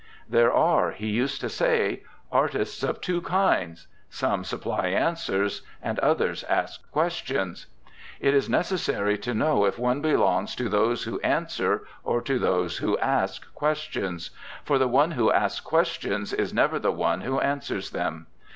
'There are,' he used to say, 'artists of two kinds: some supply answers, and others ask questions. It is necessary to know if one belongs to those who answer or to those who ask questions; for the one who asks questions is never the one who answers them.